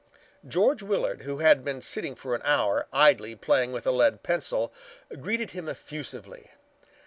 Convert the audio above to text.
George Willard, who had been sitting for an hour idly playing with a lead pencil, greeted him effusively.